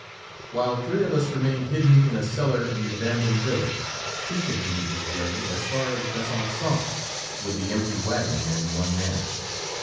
While three of us remained hidden in a cellar in the abandoned village, he continued his journey as far as Besançon with the empty wagon and one man.